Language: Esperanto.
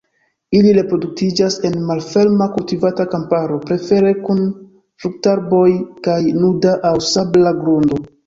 Ili reproduktiĝas en malferma kultivata kamparo, prefere kun fruktarboj kaj nuda aŭ sabla grundo.